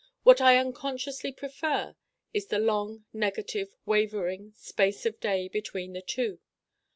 What I unconsciously prefer is the long negative Wavering space of day between the two.